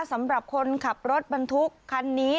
สำหรับคนขับรถบรรทุกคันนี้